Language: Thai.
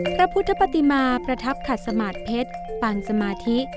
พระพุทธปฏิมาประทับขัดสมาธิเพชรปานสมาธิ